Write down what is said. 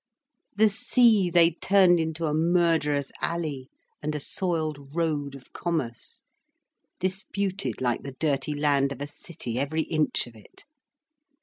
The sea they turned into a murderous alley and a soiled road of commerce, disputed like the dirty land of a city every inch of it.